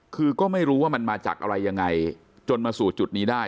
คือก็ไม่รู้ว่ามันมาจากอะไรยังไงจนมาสู่จุดนี้ได้